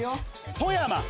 富山。